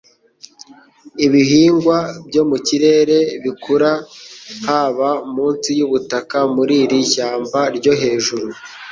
ibihingwa byo mu kirere, bikura haba munsi yubutaka muri iri shyamba ryo hejuru